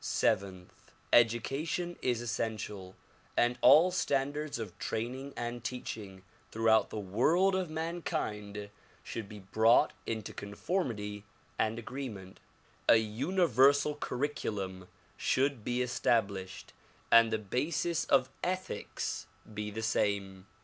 Seventh : Education is essential and all standards of training and teaching throughout the world of mankind should be brought into conformity and agreement ; a universal curriculum should be established and the basis of ethics be the same.